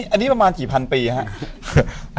อันนี้ประมาณกี่พันปีครับ